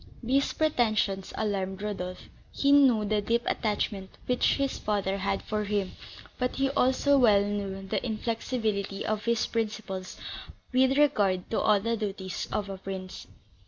These pretensions alarmed Rodolph: he knew the deep attachment which his father had for him, but he also well knew the inflexibility of his principles with regard to all the duties of a prince.